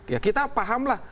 ya kita pahamlah